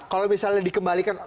kalau misalnya dikembalikan